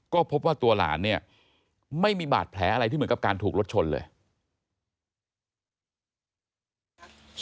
ก็พบว่าตัวหลานเนี่ยไม่มีบาดแผลอะไรที่เหมือนกับการถูกรถชนเลย